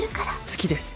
好きです。